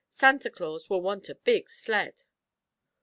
Santa Claus will want a big sled."